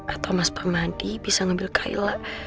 atau mas permadi bisa ngambil kaila